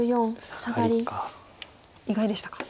意外でしたか。